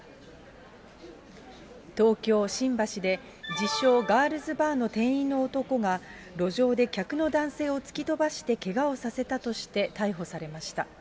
東京・新橋で、自称ガールズバーの店員の男が路上で客の男性を突き飛ばしてけがをさせたとして逮捕されました。